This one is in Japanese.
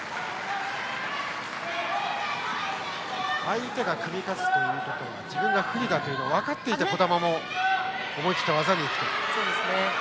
相手が組み勝つということは自分が不利だということを分かっていて児玉も思い切って技に行くと。